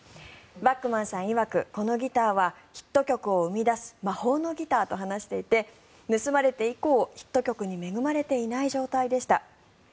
バックマンさんいわくこのギターはヒット曲を生み出す魔法のギターと話していて盗まれて以降ヒット曲に恵まれていない状態でした。